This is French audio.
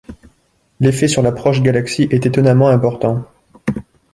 L'effet sur la proche galaxie est étonnement important.